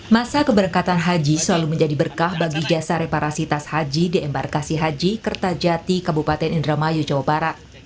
masa keberangkatan haji selalu menjadi berkah bagi jasa reparasi tas haji di embarkasi haji kertajati kabupaten indramayu jawa barat